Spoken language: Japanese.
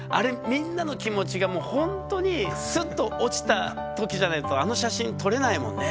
みんなの気持ちがほんとにスッと落ちた時じゃないとあの写真撮れないもんね。